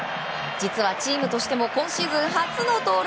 実はチームとしても今シーズン初の盗塁。